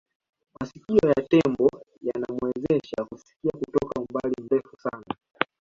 masikio ya tembo yanamuwezesha kusikia kutoka umbali mrefu sana